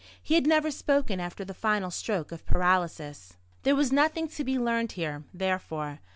He had never spoken after the final stroke of paralysis. There was nothing to be learned here, therefore.